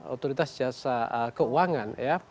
otoritas jasa keuangan ya